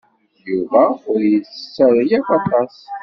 Yuba ur yettett ara akk aṭas.